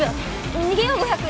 逃げよう５００円